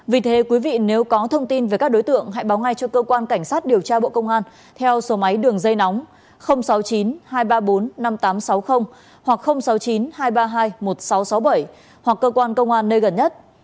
vì thế quý vị nếu có thông tin về các đối tượng hãy báo ngay cho cơ quan cảnh sát điều tra bộ công an theo số máy đường dây nóng sáu mươi chín hai trăm ba mươi bốn năm nghìn tám trăm sáu mươi hoặc sáu mươi chín hai trăm ba mươi hai một nghìn sáu trăm sáu mươi bảy hoặc cơ quan công an nơi gần nhất